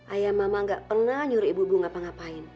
ayah mama gak pernah nyuruh ibu ibu ngapa ngapain